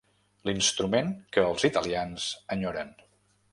L'instrument que els italians enyoren.